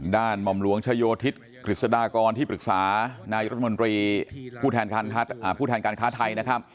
หม่อมหลวงชโยธิศกฤษฎากรที่ปรึกษานายรัฐมนตรีผู้แทนการค้าไทยนะครับ